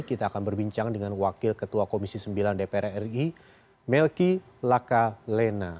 kita akan berbincang dengan wakil ketua komisi sembilan dpr ri melki laka lena